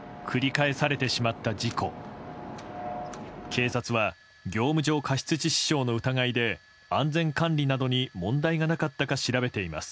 警察は業務上過失致死傷の疑いで安全管理などに問題がなかったか調べています。